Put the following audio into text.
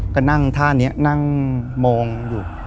ก็นั่งท่านี้นั่งมองอยู่